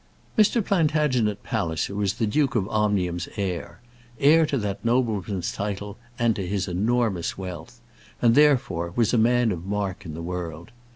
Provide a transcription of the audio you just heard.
Mr. Plantagenet Palliser was the Duke of Omnium's heir heir to that nobleman's title and to his enormous wealth; and, therefore, was a man of mark in the world.